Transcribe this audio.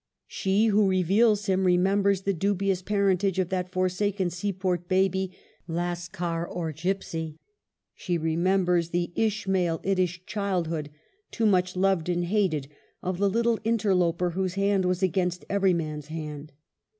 She who re veals him remembers the dubious parentage of that forsaken seaport baby, " Lascar or Gipsy ;" she remembers the Ishmaelitish childhood, too mlich loved and hated, of the little interloper whose hand was against every man's hand.